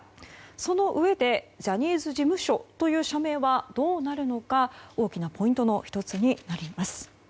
そのうえで、ジャニーズ事務所という社名はどうなるのか大きなポイントの１つになります。